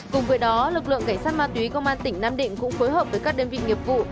cùng với đó lực lượng cảnh sát ma túy công an tỉnh nam định cũng phối hợp với các đơn vị nghiệp vụ